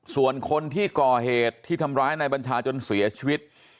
ส่วนคนที่ก่อเหตุที่ทำร้ายนายบัญชาจนเสียชีวิต